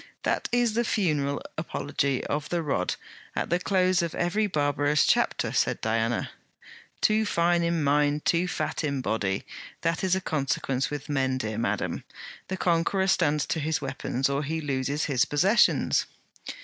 'That is the funeral apology of the Rod, at the close of every barbarous chapter,' said Diana. 'Too fine in mind, too fat in body; that is a consequence with men, dear madam. The conqueror stands to his weapons, or he loses his possessions.'